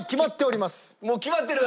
もう決まってる？